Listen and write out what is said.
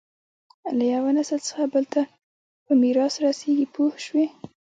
له یوه نسل څخه بل ته په میراث رسېږي پوه شوې!.